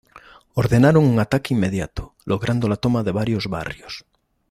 Ordenaron un ataque inmediato, logrando la toma de varios barrios.